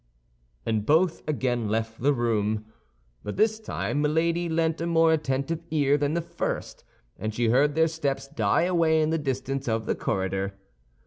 And both again left the room. But this time Milady lent a more attentive ear than the first, and she heard their steps die away in the distance of the corridor.